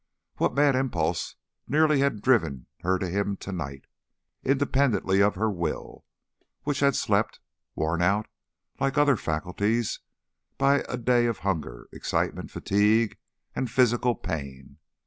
What mad impulse nearly had driven her to him to night, independently of her will; which had slept, worn out, like other faculties, by a day of hunger, excitement, fatigue, and physical pain?